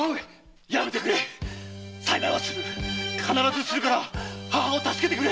必ずするから母を助けてくれ。